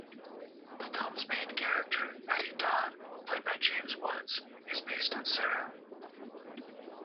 The film's main character, Eddie Dodd, played by James Woods, is based on Serra.